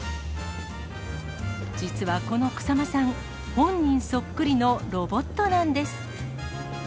実はこの草間さん、本人そっくりのロボットなんです。